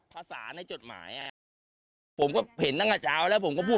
ภาษาในจดหมายอ่ะผมก็เห็นตั้งแต่เช้าแล้วผมก็พูด